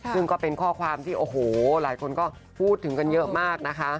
ซึ่งก็เป็นข้อความที่โอ้โหหลายคนก็พูดถึงกันเยอะมากนะคะ